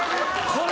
これ。